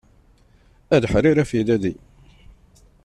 A leḥrir afilali.